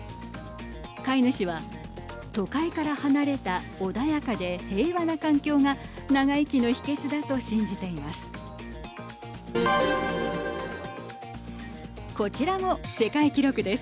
飼い主は都会から離れた穏やかで平和な環境が長生きの秘けつだと信じています。